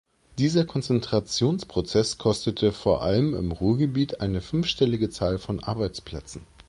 Dieser Konzentrationsprozess kostete vor allem im Ruhrgebiet eine fünfstellige Zahl von Arbeitsplätzen.